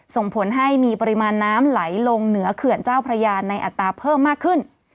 ส่งผลให้มีปริมาณน้ำไหลลงเหนือเขื่อนเจ้าพระยาในอัตราเพิ่มมากขึ้น